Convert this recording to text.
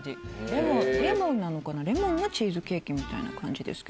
でもレモンなのかなレモンのチーズケーキみたいな感じですけど。